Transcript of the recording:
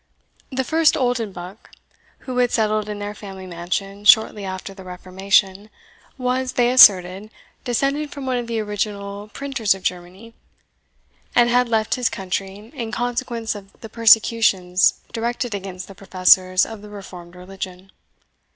The first Oldenbuck, who had settled in their family mansion shortly after the Reformation, was, they asserted, descended from one of the original printers of Germany, and had left his country in consequence of the persecutions directed against the professors of the Reformed religion.